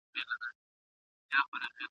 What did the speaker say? قضایاوي باید په غور سره وڅیړل سي.